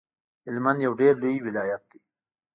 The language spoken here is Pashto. هلمند یو ډیر لوی ولایت دی